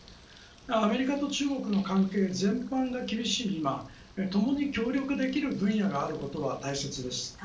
アメリカと中国の関係全般が厳しい今ともに協力できる分野があることは大切です。